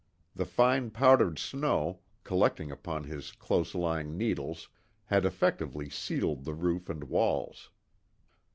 The fine powdered snow, collecting upon the close lying needles had effectively sealed the roof and walls.